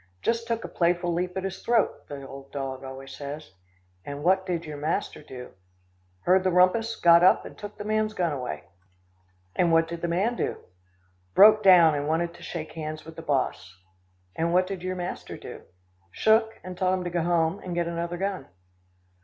"Just took a playful leap at his throat," the old dog always says. "And what did your master do?" "Heard the rumpus, got up, and took the man's gun away." "And what did the man do?" "Broke down, and wanted to shake hands with the boss." "And what did your master do?" "Shook, and told him to go home, and get another gun."